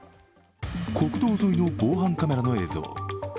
国道沿いの防犯カメラの映像。